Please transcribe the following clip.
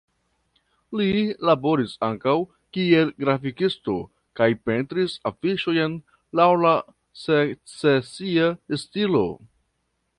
Li laboris ankaŭ kiel grafikisto kaj pentris afiŝojn laŭ la secesia stilo.